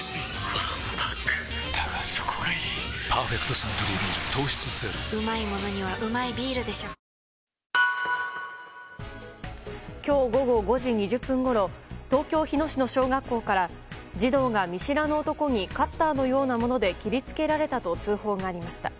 わんぱくだがそこがいい「パーフェクトサントリービール糖質ゼロ」今日午後５時２０分ごろ東京・日野市の小学校から児童が見知らぬ男にカッターのようなもので切り付けられたと通報がありました。